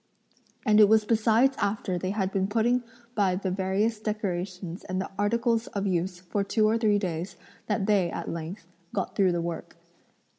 And it was besides after they had been putting by the various decorations and articles of use for two or three days, that they, at length, got through the work.